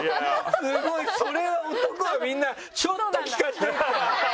すごい、それは男はみんなちょっと聞かせてって。